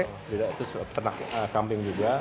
terus ternak kambing juga